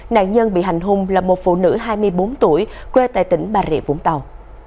nạn nhân bị hành hung là một phụ nữ hai mươi bốn tuổi quê tại tỉnh bà rịa vũng tàu